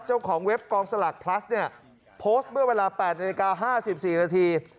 เจ้าของเว็บกลองสลากพลัสโพสต์เมื่อเวลา๘นาฬิกา๕๔นาที